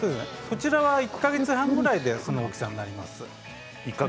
こちらは１か月ぐらいでその鉢植えの大きさになります。